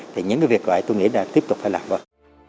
thì những việc vậy tôi nghĩ là tiếp tục phải làm vợt